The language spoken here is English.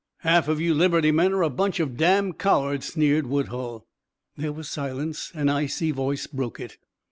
"Half of you Liberty men are a bunch of damned cowards!" sneered Woodhull. There was silence. An icy voice broke it.